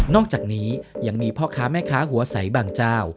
อกจากนี้ยังมีพ่อค้าแม่ค้าหัวใสบางเจ้า